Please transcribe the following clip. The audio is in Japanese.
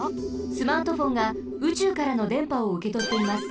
スマートフォンがうちゅうからのでんぱをうけとっています。